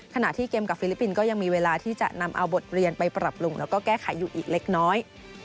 ขณะที่เกมกับฟิลิปปินส์ก็ยังมีเวลาที่จะนำเอาบทเรียนไปปรับปรุงแล้วก็แก้ไขอยู่อีกเล็กน้อย